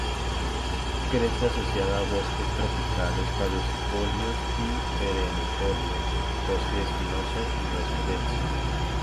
Crece asociada a bosques tropicales caducifolios y perennifolio, bosque espinoso y bosque de encino.